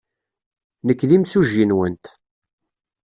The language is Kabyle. Nekk d imsujji-nwent.